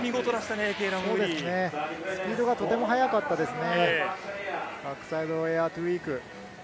スピードがとても速かったですね。